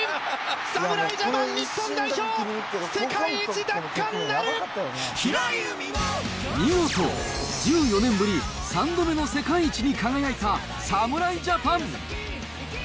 侍ジャパン、日本代表、世界一奪見事、１４年ぶり３度目の世界一に輝いた侍ジャパン。